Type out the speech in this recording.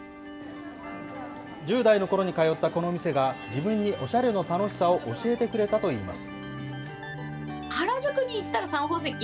１０代のころに通ったこの店が、自分におしゃれの楽しさを教えてくれたといいます。